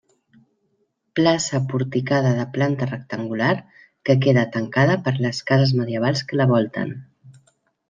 Plaça porticada de planta rectangular que queda tancada per les cases medievals que la volten.